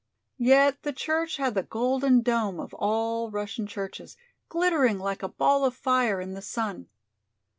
Yet the church had the golden dome of all Russian churches, glittering like a ball of fire in the sun.